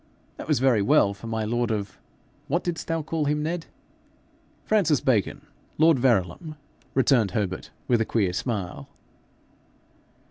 "' 'That was very well for my lord of what did'st thou call him, Ned?' 'Francis Bacon, lord Verulam,' returned Herbert, with a queer smile.